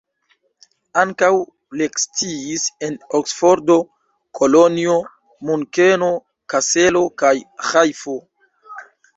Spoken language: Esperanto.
Ankaŭ lekciis en Oksfordo, Kolonjo, Munkeno, Kaselo kaj Ĥajfo.